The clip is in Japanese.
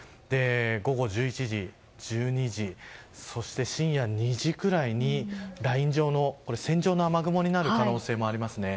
午後１１時１２時、そして深夜２時くらいにライン状の線状の雨雲になる可能性もありますね。